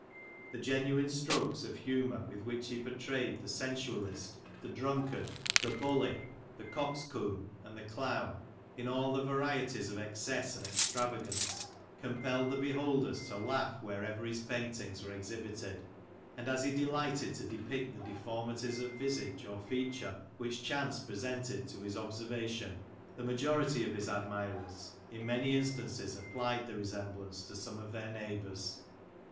The genuine strokes of humour with which he pourtrayed the sensualist, the drunkard, the bully, the coxcomb, and the clown, in all the varieties of excess and extravagance compelled the beholders to laugh wherever his paintings were exhibited ; and as he delighted to depict the deformities of visage, or feature, which chance presented to his observation, the majority of his admirers, in many instances applied the resemblance to some of their neighbours.